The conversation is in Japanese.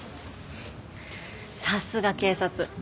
さすが警察。